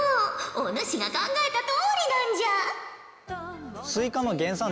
お主が考えたとおりなんじゃ！